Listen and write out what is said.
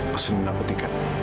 pesen aku tiket